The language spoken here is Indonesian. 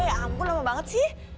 ya ampun lama banget sih